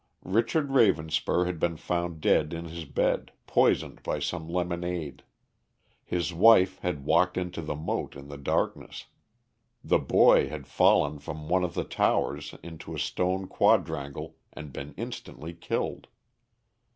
Richard Ravenspur had been found dead in his bed, poisoned by some lemonade; his wife had walked into the moat in the darkness; the boy had fallen from one of the towers into a stone quadrangle and been instantly killed.